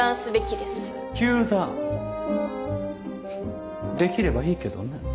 糾弾できればいいけどね。